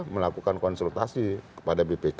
melakukan konsultasi kepada bpk